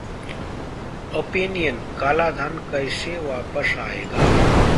Opinion: काला धन कैसे वापस आएगा?